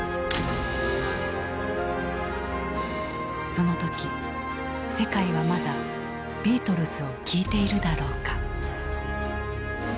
その時世界はまだビートルズを聴いているだろうか。